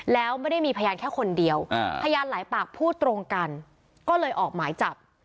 แล้วไม่ได้มีพยานแค่คนเดียวพยานหลายปากพูดตรงกันก็เลยออกหมายจับ